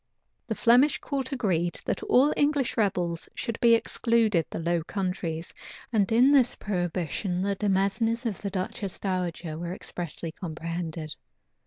The Flemish court agreed, that all English rebels should be excluded the Low Countries; and in this prohibition the demesnes of the duchess dowager were expressly comprehended.